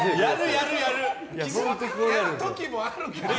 やる時もあるけど。